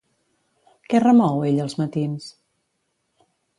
Què remou ell als matins?